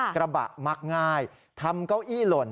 กระบะมักง่ายทำเก้าอี้หล่น